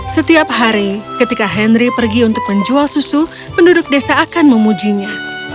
setiap hari ketika henry pergi untuk menjual susu penduduk desa akan memujinya